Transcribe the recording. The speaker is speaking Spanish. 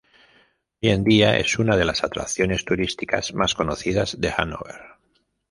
Hoy en día es una de las atracciones turísticas más conocidas de Hanóver.